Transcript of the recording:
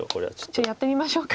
じゃあやってみましょうか。